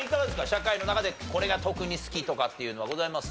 社会の中でこれが特に好きとかっていうのはございます？